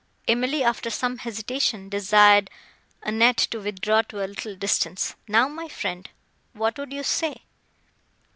Emily, after some hesitation, desired Annette to withdraw to a little distance. "Now, my friend, what would you say?"